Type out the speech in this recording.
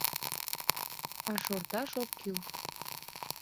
А шорташ ок кӱл.